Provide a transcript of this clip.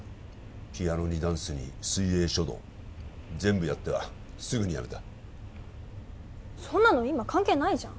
ピアノにダンスに水泳書道全部やってはすぐにやめたそんなの今関係ないじゃん